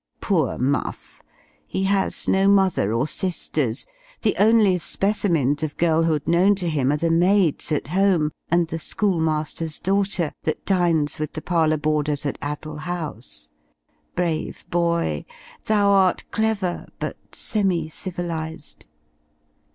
Poor Muff! he has no mother or sisters the only specimens of girlhood known to him are the maids at home, and the school master's daughter, that dines with the parlour boarders at Addle House: brave boy, thou art clever, but semi civilized!